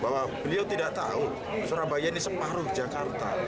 bahwa beliau tidak tahu surabaya ini separuh jakarta